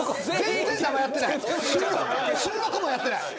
収録もやってない！